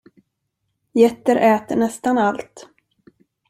Getter äter nästan allt.